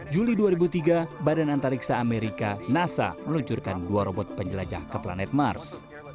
juli dua ribu tiga badan antariksa amerika nasa meluncurkan dua robot penjelajah ke planet mars